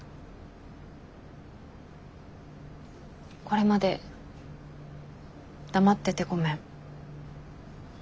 これまで黙っててごめん。